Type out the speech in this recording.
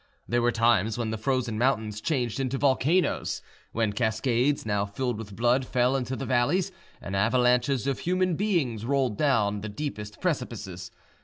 There were times when the frozen mountains changed into volcanoes, when cascades now filled with blood fell into the valleys, and avalanches of human beings rolled down the deepest precipices.